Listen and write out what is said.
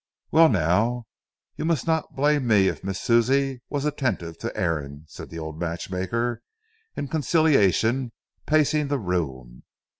"Well, now, you must not blame me if Miss Susie was attentive to Aaron," said the old matchmaker, in conciliation, pacing the room.